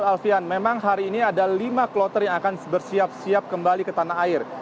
alfian memang hari ini ada lima kloter yang akan bersiap siap kembali ke tanah air